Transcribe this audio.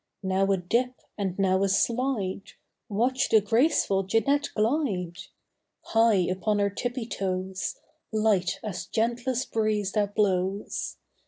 Now a dip and now a slide— Watch the graceful Jeanette glide! High upon her tippy toes, Light as gentlest breeze that blows.